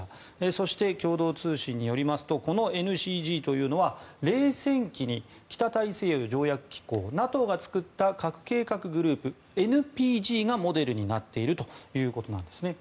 そして、共同通信によりますとＮＣＧというのは冷戦期に北大西洋条約機構・ＮＡＴＯが作った核計画グループ・ＮＰＧがモデルになっているそうです。